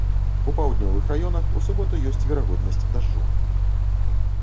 У паўднёвых раёнах у суботу ёсць верагоднасць дажджу.